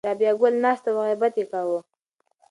رابعه ګل ناسته وه او غیبت یې کاوه.